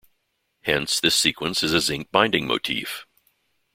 Hence, this sequence is a zinc-binding motif.